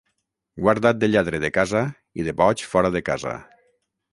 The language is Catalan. Guarda't de lladre de casa i de boig fora de casa.